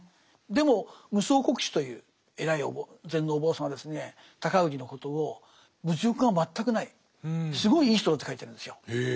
でも夢窓国師という偉い禅のお坊さんがですね尊氏のことを物欲が全くないすごいいい人だって書いてるんですよ。